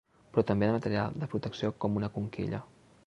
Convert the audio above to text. Però també de material de protecció com una conquilla.